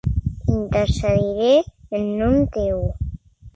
Intercediré en nom teu.